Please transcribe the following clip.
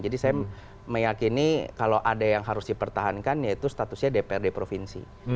jadi saya meyakini kalau ada yang harus dipertahankan yaitu statusnya dpr di provinsi